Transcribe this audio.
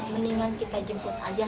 mendingan kita jemput aja